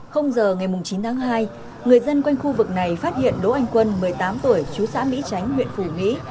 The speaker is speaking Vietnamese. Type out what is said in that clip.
giờ ngày chín tháng hai người dân quanh khu vực này phát hiện đỗ anh quân một mươi tám tuổi chú xã mỹ tránh huyện phủ mỹ